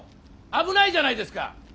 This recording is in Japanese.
危ないじゃないですか！